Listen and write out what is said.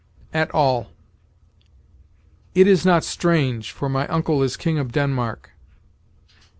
AT ALL. "It is not strange, for my uncle is King of Denmark."